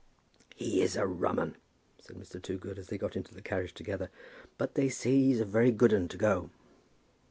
"He is a rum 'un," said Mr. Toogood, as they got into the carriage together; "but they say he's a very good 'un to go."